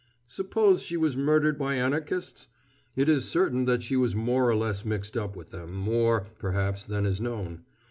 Suppose she was murdered by Anarchists? It is certain that she was more or less mixed up with them more, perhaps, than is known.